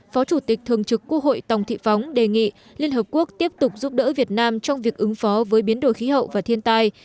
phó chủ tịch thường trực quốc hội tòng thị phóng đề nghị liên hợp quốc tiếp tục giúp đỡ việt nam trong việc ứng phó với biến đổi khí hậu và thiên tai